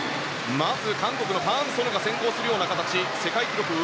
まず韓国のファン・ソヌが先行する形。